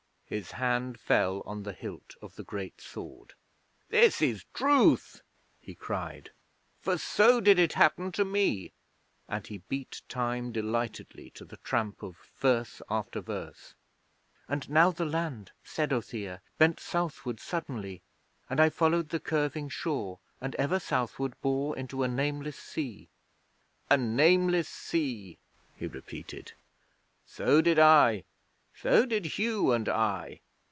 "' His hand fell on the hilt of the great sword. 'This is truth,' he cried, 'for so did it happen to me,' and he beat time delightedly to the tramp of verse after verse. '"And now the land," said Othere, "Bent southward suddenly, And I followed the curving shore, And ever southward bore Into a nameless sea."' 'A nameless sea!' he repeated. 'So did I so did Hugh and I.'